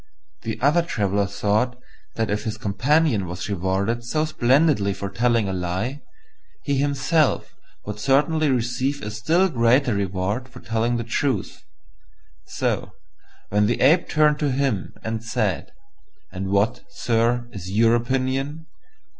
The other Traveller thought that if his companion was rewarded so splendidly for telling a lie, he himself would certainly receive a still greater reward for telling the truth; so, when the Ape turned to him and said, "And what, sir, is your opinion?"